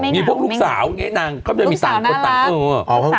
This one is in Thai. มีพวกลูกสาวเขาจะมีต่างคนต่าง